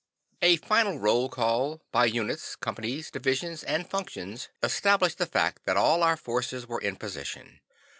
A final roll call, by units, companies, divisions and functions, established the fact that all our forces were in position.